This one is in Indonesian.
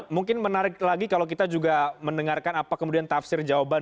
mungkin menarik lagi kalau kita juga mendengarkan apa kemudian tafsir jawaban